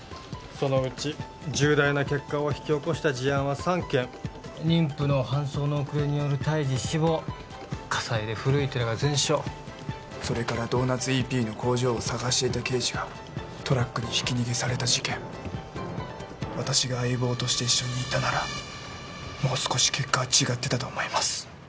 そのうち重大な結果を引き起こした事案は３件妊婦の搬送の遅れによる胎児死亡火災で古い寺が全焼それからドーナツＥＰの工場を探していた刑事がトラックにひき逃げされた事件私が相棒として一緒にいたならもう少し結果は違ってたと思います